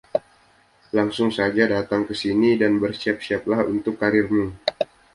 Langsung saja datang ke sini, dan bersiap-siaplah untuk karirmu!